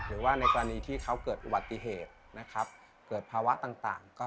หรือว่าในกรณีที่เขาเกิดอุบัติเหตุนะครับเกิดภาวะต่าง